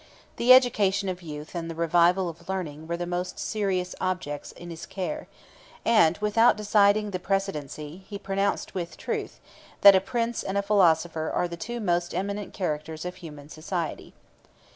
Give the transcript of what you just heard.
The education of youth and the revival of learning were the most serious objects of his care; and, without deciding the precedency, he pronounced with truth, that a prince and a philosopher 4 are the two most eminent characters of human society.